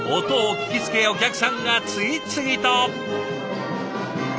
音を聞きつけお客さんが次々と。